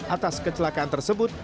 atas kecelakaan tersebut